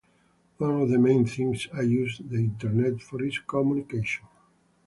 One of the main things I use the Internet for is communication.